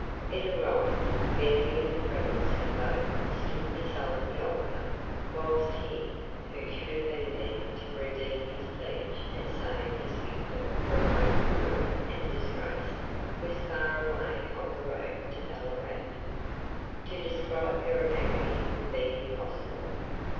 It arrived. Mary and the friends of both stood beside the altar, whilst he, who should have been there to redeem his pledge and save his victim from open ruin and disgrace, was far away on the road to Ballarat. To describe her agony would be impossible.